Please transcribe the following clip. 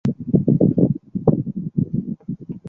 তিনি এক মধ্যবিত্ত পরিবারে জন্মগ্রহণ করেন।